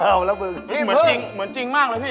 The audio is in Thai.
เหมือนจริงมากเลยพี่